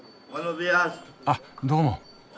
あどうも。